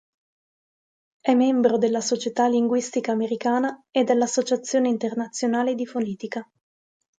È membro della Società Linguistica Americana e dell'Associazione internazionale di Fonetica.